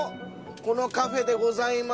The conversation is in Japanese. このカフェでございます。